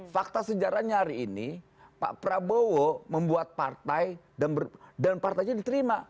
fakta sejarahnya hari ini pak prabowo membuat partai dan partainya diterima